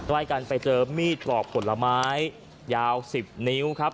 ใกล้กันไปเจอมีดปลอกผลไม้ยาว๑๐นิ้วครับ